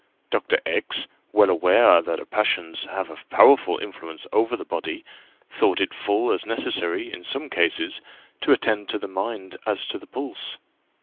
Dr. X , well aware that the passions have a powerful influence over the body, thought it full as necessary, in some cases, to attend to the mind as to the pulse.